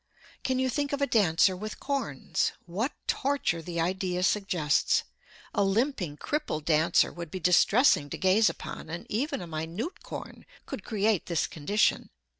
Can you think of a dancer with corns? What torture the idea suggests! A limping, crippled dancer would be distressing to gaze upon, and even a minute corn could create this condition.